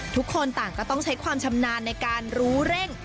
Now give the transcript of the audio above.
ทุกคนต่างก็ต้องใช้ความชำนาญในการรู้เร่ง